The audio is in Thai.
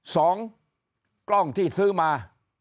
สองกล้องที่ซื้อมา